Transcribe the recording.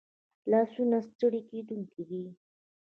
لاسونه نه ستړي کېدونکي دي